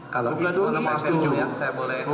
kalau itu saya setuju